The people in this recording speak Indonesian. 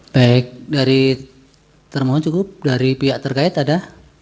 baik dari termohon cukup dari pihak terkait ada